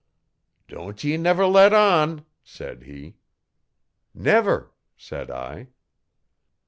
'Don't ye never let on,' said he. 'Never,' said I.